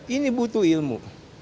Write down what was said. ini butuh ilmu